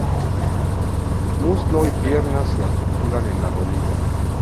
Muslo y pierna se articulan en la rodilla.